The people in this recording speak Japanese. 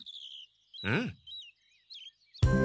うん。